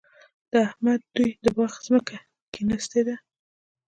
د احمد دوی د باغ ځمکه کېنستې ده.